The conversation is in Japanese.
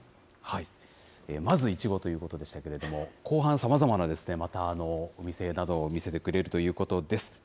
まずいちごということでしたけれども、後半、さまざまなまたお店などを見せてくれるということです。